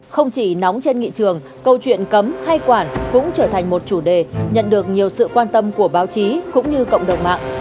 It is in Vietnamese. không chỉ nóng trên nghị trường câu chuyện cấm hay quản cũng trở thành một chủ đề nhận được nhiều sự quan tâm của báo chí cũng như cộng đồng mạng